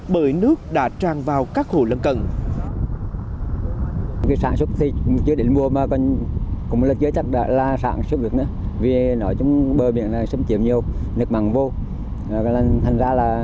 bởi nước đã tràn vào các hồ lân cận